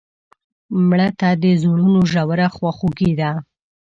مړه ته د زړونو ژوره خواخوږي ده